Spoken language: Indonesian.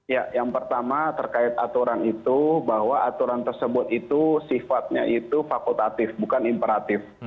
ya yang pertama terkait aturan itu bahwa aturan tersebut itu sifatnya itu fakultatif bukan imperatif